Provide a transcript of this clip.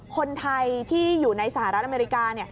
คนไทยที่อยู่ในสหรัฐอเมริกา